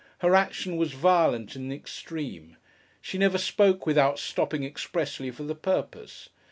Her action was violent in the extreme. She never spoke, without stopping expressly for the purpose.